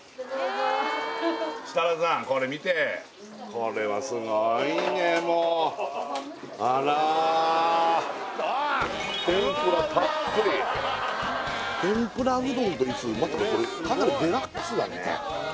これはすごいねもうあら天ぷらたっぷり天ぷらうどんと言いつつまたこれかなりデラックスだね